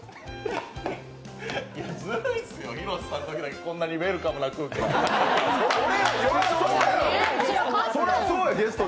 ずるいっすよ、広瀬さんのときだけ、こんなウェルカムな雰囲気で。